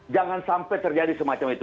jangan sampai terjadi semacam itu